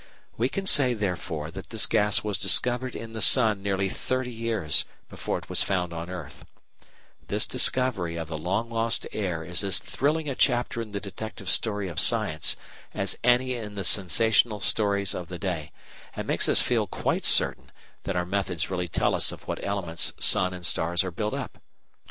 _ We can say, therefore, that this gas was discovered in the sun nearly thirty years before it was found on earth; this discovery of the long lost heir is as thrilling a chapter in the detective story of science as any in the sensational stories of the day, and makes us feel quite certain that our methods really tell us of what elements sun and stars are built up.